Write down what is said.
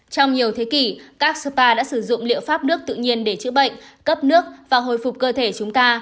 trong nhiều thế kỷ các spa đã sử dụng liệu pháp nước tự nhiên để chữa bệnh cấp nước và hồi phục cơ thể chúng ta